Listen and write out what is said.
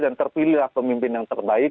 dan terpilihlah pemimpin yang terbaik